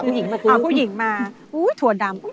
คุ้ยหญิงมาก่อนนะคะอ๋อคุ้ยหญิงมาถั่วดำกิน